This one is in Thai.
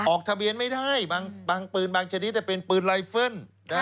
ออกทะเบียนไม่ได้บางปืนบางชนิดเป็นปืนไลเฟิล